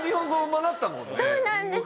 そうなんですよ！